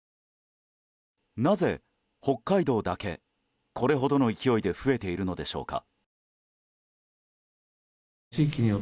なぜ、北海道だけこれほどの勢いで増えているのでしょうか。